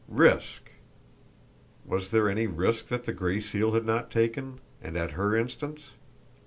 Risk! Was there any risk that the Gray Seal had not taken, and at her instance!